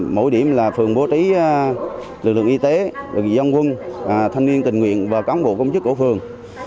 mỗi điểm là phường bố trí lực lượng y tế lực lượng dân quân thanh niên tình nguyện và cán bộ công chức của phường